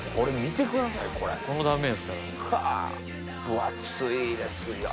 分厚いですよ。